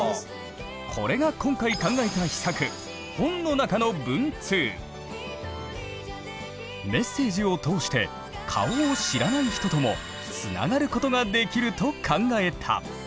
これが今回考えた秘策メッセージを通して顔を知らない人ともつながることができると考えた！